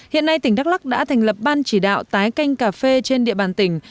hiện nay tỉnh đắk lắc đã thành lập ban chỉ đạo tái canh cà phê trên địa bàn tỉnh